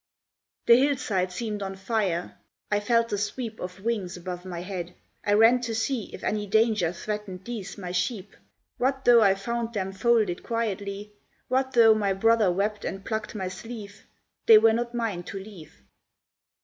The hillside seemed on fire; I felt the sweep Of wings above my head; I ran to see If any danger threatened these my sheep. What though I found them folded quietly, What though my brother wept and plucked my sleeve, They were not mine to leave.